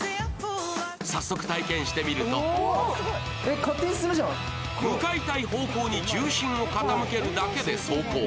早速体験してみると向かいたい方向に重心を傾けるだけで走行。